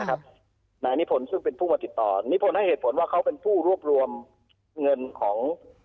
นายนิพนธ์ซึ่งเป็นผู้มาติดต่อนิพนธ์ให้เหตุผลว่าเขาเป็นผู้รวบรวมเงินของ